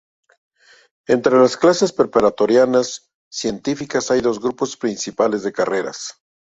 Entre las clases preparatorias científicas hay dos grupos principales de carreras.